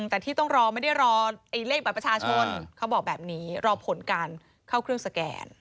แต่ที่ต้องรอไม่ได้รอเลขบัตรประชาชนเขาบอกแบบนี้รอผลการเข้าเครื่องสแกน